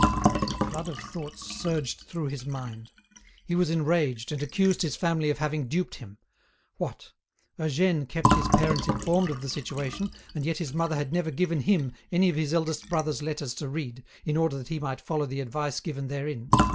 A flood of thoughts surged through his mind. He was enraged, and accused his family of having duped him. What! Eugène kept his parents informed of the situation, and yet his mother had never given him any of his eldest brother's letters to read, in order that he might follow the advice given therein!